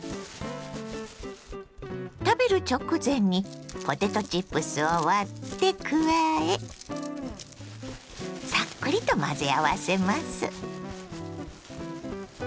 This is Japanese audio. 食べる直前にポテトチップスを割って加えサックリと混ぜ合わせます。